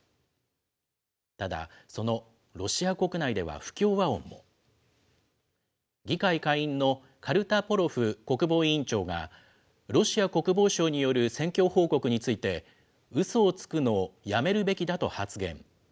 ただ、そのロシア国内では不協和音も。議会下院のカルタポロフ国防委員長が、ロシア国防省による戦況報告について、うそをつくのをやめるべきだと発言。